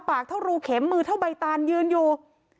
ปากเท่ารูเข็มมือเท่าใบตานยืนอยู่